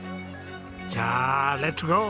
じゃあレッツゴー！